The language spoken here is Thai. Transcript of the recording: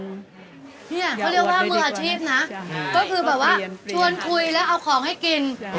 เขาเรียกว่ามืออาชีพนะก็คือแบบว่าชวนคุยแล้วเอาของให้กิน